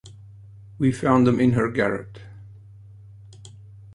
We found them in her garret.